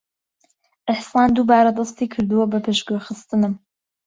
ئیحسان دووبارە دەستی کردووە بە پشتگوێخستنم.